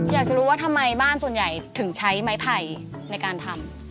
อยากจะรู้ว่าทำไมบ้านส่วนใหญ่ถึงใช้ไม้ไผ่ในการทำ